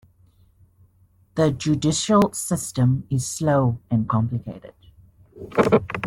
The judicial system is slow and complicated.